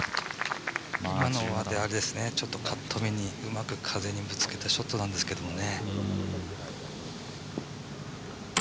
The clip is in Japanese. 今のはちょっとカットめにうまく風にぶつけたショットだったんですけどね。